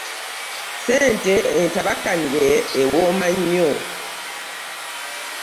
ssente entabakanire ewooma nnyo.